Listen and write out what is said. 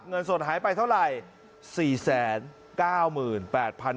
เงินสดหายไปเท่าไหร่